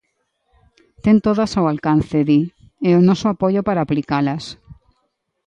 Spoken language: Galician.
Ten todas ao alcance, di, e o noso apoio para aplicalas.